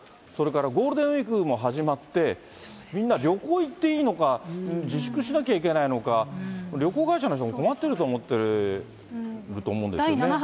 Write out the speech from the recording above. それから、ゴールデンウィークも始まって、みんな旅行に行っていいのか、自粛しなければいけないのか、旅行会社の人も困ってると思ってると思うんですよね。